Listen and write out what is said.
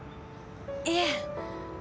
いえ。